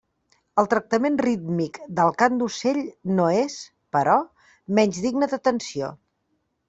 El tractament rítmic del cant d'ocell no és, però, menys digne d'atenció.